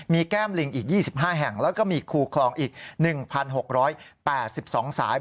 มีแก้มลิงอีก๒๕แห่งแล้วก็มีคูคลองอีก๑๖๘๒สาย